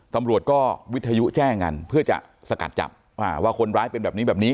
ตำรวจก็วิทยุแจ้งกันเพื่อจะสกัดจับว่าคนร้ายเป็นแบบนี้แบบนี้